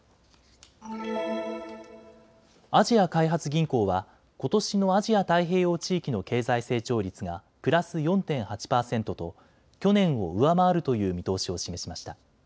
アジア開発銀行はことしのアジア太平洋地域の経済成長率がプラス４．８％と去年を上回るという見通しを示しました。